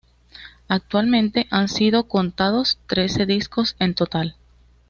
Actualmente, han sido contados trece discos en total.